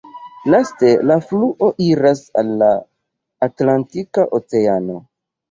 Laste la fluo iras al la Atlantika Oceano.